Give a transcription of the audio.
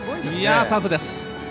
いや、タフです。